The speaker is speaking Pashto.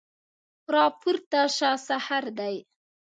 راپورته شه سحر دی